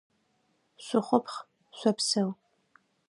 Шъухъупхъ, шъопсэу!